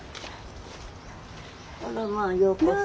あらまあようこそ。